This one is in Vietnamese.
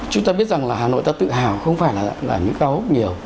chúng ta biết rằng là hà nội ta tự hào không phải là những cao hốc nhiều